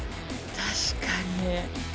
確かに。